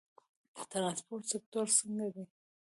د ترانسپورت سکتور څنګه دی؟